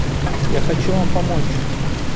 Я хочу вам помочь.